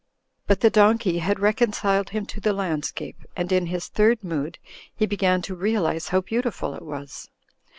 But the donkey had reconciled him to the landscape, and in his third mood he began to realize how beauti ful it was.